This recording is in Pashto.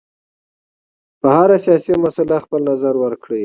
په هره سیاسي مسله خپل نظر ورکړي.